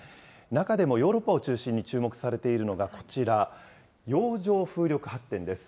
中でもヨーロッパを中心に注目されているのがこちら、洋上風力発電です。